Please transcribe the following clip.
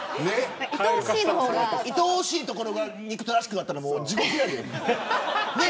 いとおしいところが憎たらしくなったら地獄やで。